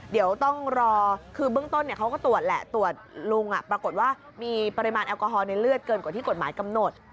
เดี๋ยวต้องรอคือเบื้องต้นเขาก็ตรวจแหละตรวจลุงปรากฏว่ามีปริมาณแอลกอฮอลในเลือดเกินกว่าที่กฎหมายกำหนด